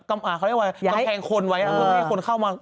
กำลักเขาเรียกว่าอย่าให้คนเข้ามา